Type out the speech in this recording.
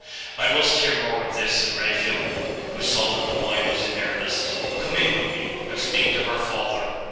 'I must hear more of this,' said Raphael, who saw that the boy was in earnest. 'Come in with me, and speak to her father.